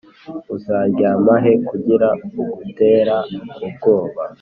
uzaryama he kugira ugutera ubwoba,